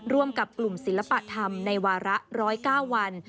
ร่วมกับกลุ่มศิลปธรรมในวาระ๑๐๙วัน